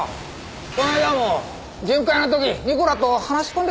この間も巡回の時ニコラと話し込んでたし。